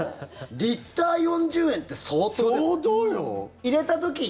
リッター４０円って相当ですよ。